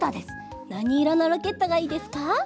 なにいろのロケットがいいですか？